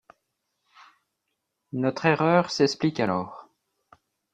Notre erreur s’explique alors.